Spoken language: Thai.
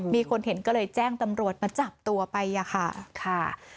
มีคนเห็นก็เลยแจ้งตำรวจมาจับตัวไปค่ะ